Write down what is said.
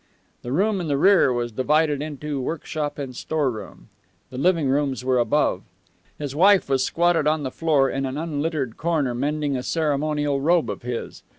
The room in the rear was divided into workshop and storeroom. The living rooms were above. His wife was squatted on the floor in an unlittered corner mending a ceremonial robe of his.